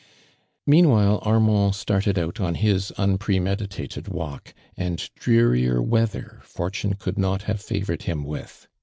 Meanwhile Armand started out on his un premeditated wt'lk, and drearier weather fortune could not have favored him with.